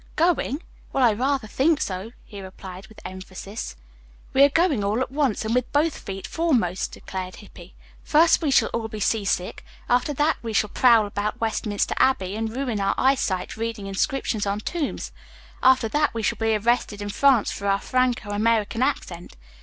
"Going? Well, I rather think so," he replied with emphasis. "We are going all at once and with both feet foremost," declared Hippy. "First we shall all be sea sick. After that we shall prowl about Westminster Abbey and ruin our eyesight reading inscriptions on tombs. After that we shall be arrested in France for our Franco American accent.